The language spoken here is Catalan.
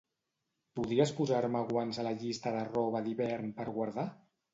Podries posar-me guants a la llista de roba d'hivern per guardar?